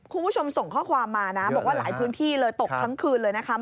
คุณผู้ชมส่งข้อความมานะบอกว่าหลายพื้นที่เลยตกทั้งคืนเลยนะคะ